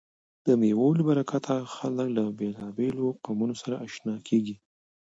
د مېلو له برکته خلک له بېلابېلو قومو سره آشنا کېږي.